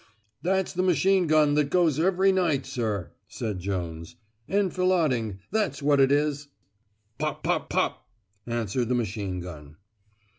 "That's the machine gun that goes every night, sir," said Jones. "Enfilading, that's what it is." "Pop pop pop," answered the machine gun.